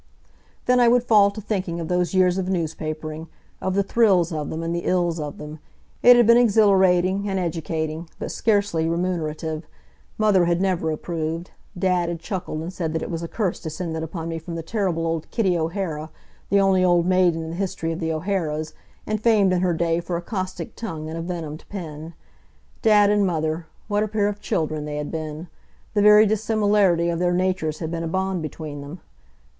Then I would fall to thinking of those years of newspapering of the thrills of them, and the ills of them. It had been exhilarating, and educating, but scarcely remunerative. Mother had never approved. Dad had chuckled and said that it was a curse descended upon me from the terrible old Kitty O'Hara, the only old maid in the history of the O'Haras, and famed in her day for a caustic tongue and a venomed pen. Dad and Mother what a pair of children they had been! The very dissimilarity of their natures had been a bond between them.